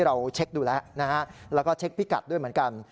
เราเช็คดูแล้วนะฮะแล้วก็เช็คพิกัดด้วยเหมือนกัน